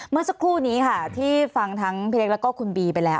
เมื่อสักครู่นี้ค่ะที่ฟังทั้งพี่เล็กแล้วก็คุณบีไปแล้ว